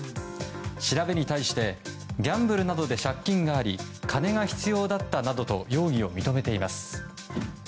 調べに対してギャンブルなどで借金があり金が必要だったなどと容疑を認めています。